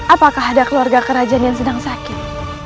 apakah ada keluarga kerajaan yang sedang sakit